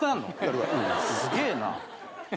すげえな。